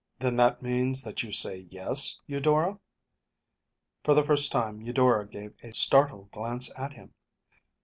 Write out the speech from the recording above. “Then that means that you say yes, Eudora?‚ÄĚ For the first time Eudora gave a startled glance at him.